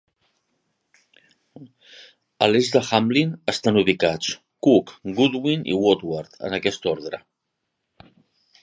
A l'est de Hamlin, estan ubicats, Cook, Goodwin i Woodward, en aquest ordre.